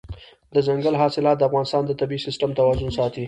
دځنګل حاصلات د افغانستان د طبعي سیسټم توازن ساتي.